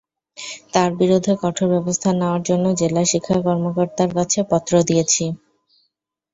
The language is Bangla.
তাঁর বিরুদ্ধে কঠোর ব্যবস্থা নেওয়ার জন্য জেলা শিক্ষা কর্মকর্তার কাছে পত্র দিয়েছি।